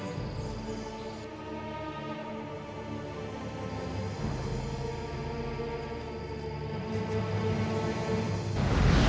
ia akan laku doa ia pada setahun ini